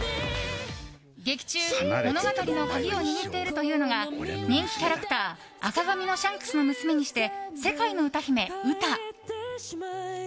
劇中、物語の鍵を握っているというのが人気キャラクター赤髪のシャンクスの娘にして世界の歌姫ウタ。